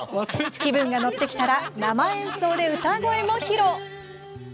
気分が乗ってきたら生演奏で歌声も披露！